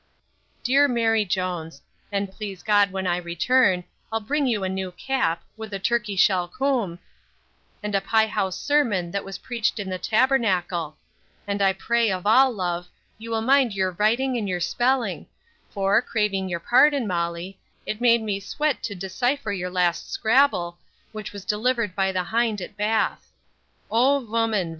Dear Mary Jones! An please God when I return, I'll bring you a new cap, with a turkey shell coom, and a pyehouse sermon, that was preached in the Tabernacle; and I pray of all love, you will mind your vriting and your spilling; for, craving your pardon, Molly, it made me suet to disseyffer your last scrabble, which was delivered by the hind at Bath 0, voman!